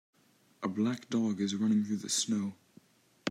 A black dog is running through the snow.